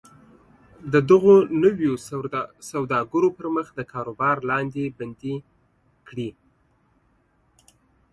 د دغو نویو سوداګرو پر مخ د کاروبار لارې بندې کړي